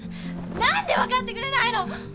何で分かってくれないの！？